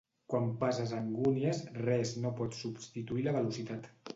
Quan passes angúnies, res no pot substituir la velocitat.